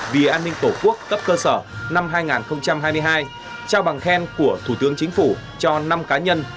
vì an ninh tổ quốc cấp cơ sở năm hai nghìn hai mươi hai trao bằng khen của thủ tướng chính phủ cho năm cá nhân